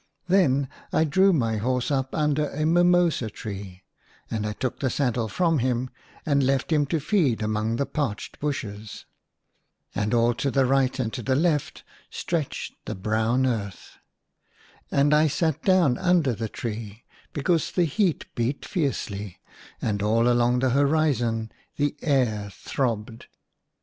Then I drew my horse up under a mimosa tree, and I took the saddle from him and left him to feed among the parched bushes. And all to right and to left stretched the brown earth. And I sat down under the tree, because the heat beat fiercely, and all along the horizon the air throbbed.